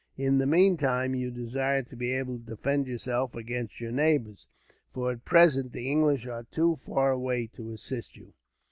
In the meantime, you desire to be able to defend yourself against your neighbours; for, at present, the English are too far away to assist you.